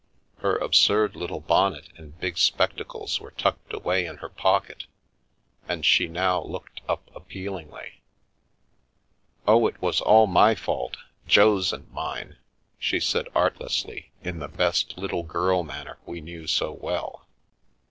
Her absurd little bonnet and big spectacles were tucked away in her pocket, and she now looked up appealingly. "Oh, it was all my fault — Jo's and mine/ 9 she said artlessly, in the best "little girl" manner we knew so well.